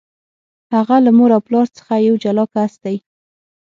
هغه له مور او پلار څخه یو جلا کس دی.